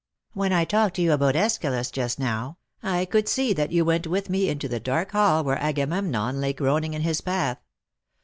When I talked to you about iEschylus just now, I could see that you went with me into the dark hall where Agamemnon lay groaning in his bath.